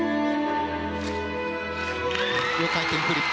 ４回転フリップ。